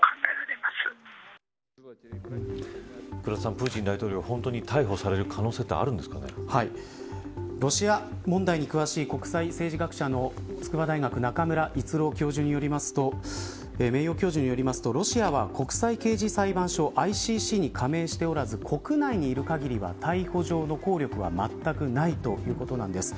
プーチン大統領、本当に逮捕される可能性はロシア問題に詳しい国際政治学者の筑波大学中村逸郎教授によりますとロシアは国際刑事裁判所ＩＣＣに加盟しておらず国内にいる限りは逮捕状の効力はまったくないということなんです。